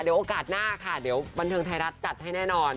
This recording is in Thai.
เดี๋ยวโอกาสหน้าค่ะเดี๋ยวบันเทิงไทยรัฐจัดให้แน่นอน